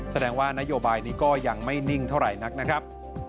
แสดงว่านโยบายนี้ก็ยังไม่นิ่งเท่าไหร่นักนะครับ